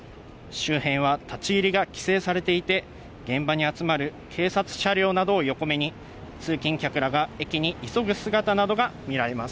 周辺は立ち入りが規制されていて、現場に集まる警察車両などを横目に通勤客らが駅に急ぐ姿などが見られます。